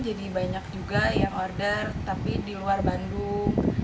jadi banyak juga yang order tapi di luar bandung